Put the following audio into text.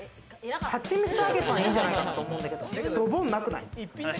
はちみつ揚げパンいいんじゃないかなと思うんだけど、ドボンなくない？